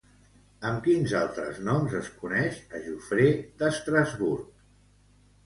Amb quins altres noms es coneix a Jofré d'Estrasburg?